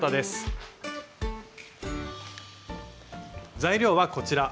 材料はこちら。